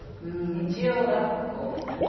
日曜学校みたいな。